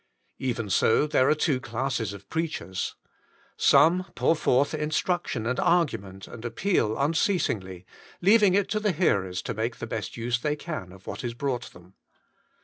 Even so there are two classes of preachers. Some pour forth instruction and argument and appeal unceasingh^, leaving it to the hearers to make the best use they can of what is brought them.